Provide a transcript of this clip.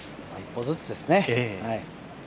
１歩ずつですね。